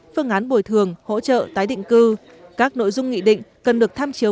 phương án bồi thường hỗ trợ tái định cư các nội dung nghị định cần được tham chiếu